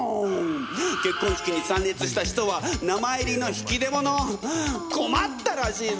結婚式に参列した人は名前入りの引き出物困ったらしいぜ！